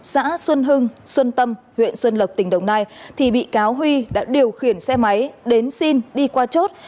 xã xuân hưng xuân tâm huyện xuân lộc tỉnh đồng nai thì bị cáo huy đã điều khiển xe máy đến xin đi qua chốt